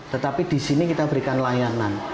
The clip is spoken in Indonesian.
tetapi di sini kita berikan layanan